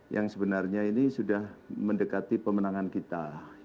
yang sebenarnya ini sudah mendekati pemenangan kita